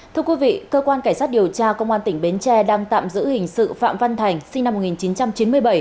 thưa quý vị cơ quan cảnh sát điều tra công an tỉnh bến tre đang tạm giữ hình sự phạm văn thành sinh năm một nghìn chín trăm chín mươi bảy